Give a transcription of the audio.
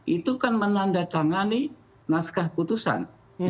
itu kan menandatangani naskah putusan